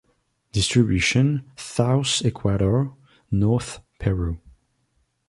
Distribution: South Ecuador, North Peru.